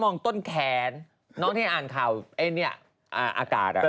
มองต้นแขนน้องที่อ่านข่าวไอ้เนี่ยอากาศอ่ะ